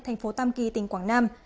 thành phố tam kỳ tỉnh quảng nam